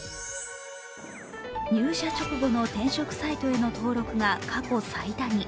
入社直後の転職サイトへの登録が過去最多に。